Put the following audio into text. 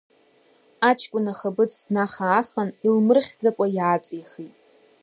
Аҷкәын ахаԥыц днаха-аахан, илмырхьӡакәа иааҵихит.